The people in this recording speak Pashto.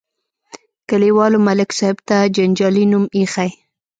کلیوالو ملک صاحب ته جنجالي نوم ایښی.